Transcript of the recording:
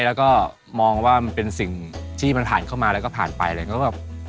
แล้วก็มองว่ามันเป็นสิ่งที่มันผ่านเข้ามาแล้วก็ผ่านไปอะไรก็แบบ